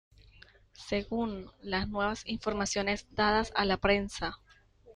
Según las nuevas informaciones dadas a la prensa